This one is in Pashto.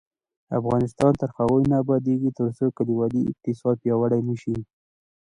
افغانستان تر هغو نه ابادیږي، ترڅو کلیوالي اقتصاد پیاوړی نشي.